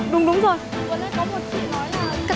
năm thanh niên đã lên tiếng